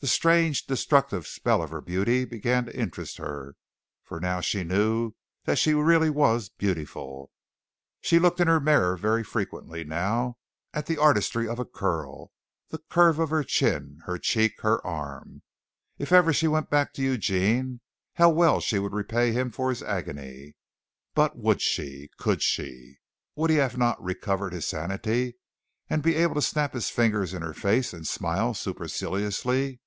The strange, destructive spell of her beauty began to interest her, for now she knew that she really was beautiful. She looked in her mirror very frequently now at the artistry of a curl, the curve of her chin, her cheek, her arm. If ever she went back to Eugene how well she would repay him for his agony. But would she? Could she? Would he have not recovered his sanity and be able to snap his fingers in her face and smile superciliously?